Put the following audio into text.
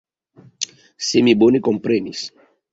Se mi bone komprenis.